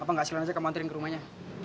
apa gak silahkan aja kamu anterin ke rumahnya